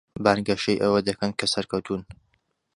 بانگەشەی ئەوە دەکەن کە سەرکەوتوون.